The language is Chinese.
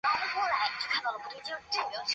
乌克兰武装部队是乌克兰的军队。